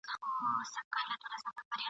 یوه ورځ به خپلي غوښي تر دېګدان وړي !.